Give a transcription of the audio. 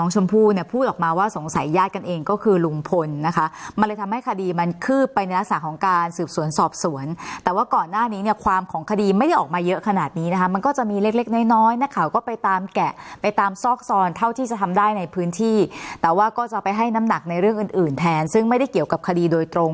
พูดออกมาว่าสงสัยญาติกันเองก็คือลุงพลนะคะมันเลยทำให้คดีมันคืบไปในลักษณะของการสืบสวนสอบสวนแต่ว่าก่อนหน้านี้เนี่ยความของคดีไม่ได้ออกมาเยอะขนาดนี้นะคะมันก็จะมีเล็กเล็กน้อยน้อยนักข่าวก็ไปตามแกะไปตามซอกซอนเท่าที่จะทำได้ในพื้นที่แต่ว่าก็จะไปให้น้ำหนักในเรื่องอื่นอื่นแทนซึ่งไม่ได้เกี่ยวกับคดีโดยตรง